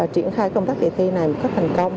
triển khai công tác kỳ thi này một cách thành công